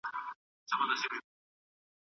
ایا بڼوال په اوږه باندي ګڼ توکي راوړي؟